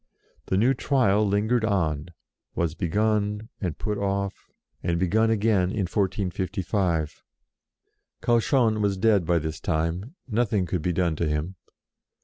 The new Trial lingered on, was begun, and put off, and begun again in 1455. Cauchon was dead by this time ; nothing could be done to him.